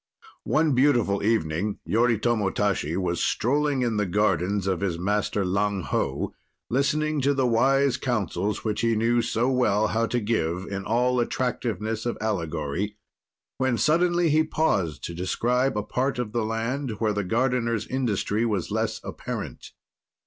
One beautiful evening, Yoritomo Tashi was strolling in the gardens of his master, Lang Ho, listening to the wise counsels which he knew so well how to give in all attractiveness of allegory, when, suddenly, he paused to describe a part of the land where the gardener's industry was less apparent.